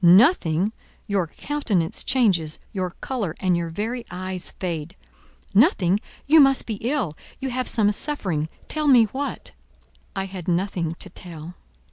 "Nothing! Your countenance changes: your colour and your very eyes fade. Nothing! You must be ill; you have some suffering; tell me what." I had nothing to tell.